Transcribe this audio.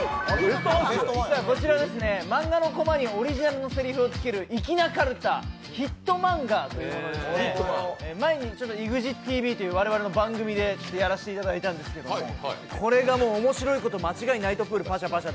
こちら、漫画のコマにオリジナルのせりふをつける「ヒットマンガ」というものでして前に「ＥＸＩＴＶ！」という我々の番組でやらせていただいたんですがこれが面白いこと間違いなしパシャパシャ